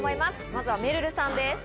まずはめるるさんです。